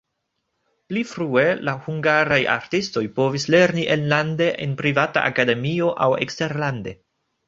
Pli frue la hungaraj artistoj povis lerni enlande en privata akademio aŭ eksterlande.